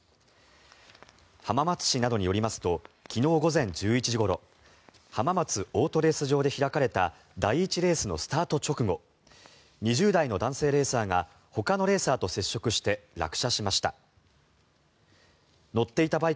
浜松市などによりますと昨日午前１１時ごろ浜松オートレース場で開かれた第１レースのスタート直後２０代の男性レーサーがほかのレーサーと接触して落車しました。